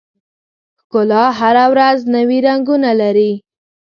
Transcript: ښکلا هره ورځ نوي رنګونه لري.